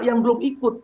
yang belum ikut